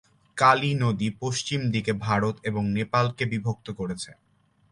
কালী নদী পশ্চিম দিকে ভারত এবং নেপালকে বিভক্ত করেছে।